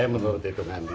menurut itu nanti